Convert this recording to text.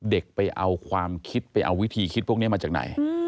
เด็กไปเอาความคิดไปเอาวิธีคิดพวกนี้มาจากไหน